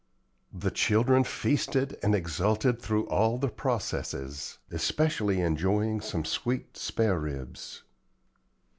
The children feasted and exulted through all the processes, especially enjoying some sweet spareribs.